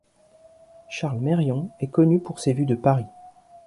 Charles Meryon est connu pour ses vues de Paris.